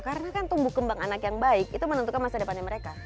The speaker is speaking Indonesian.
karena kan tumbuh kembang anak yang baik itu menentukan masa depannya mereka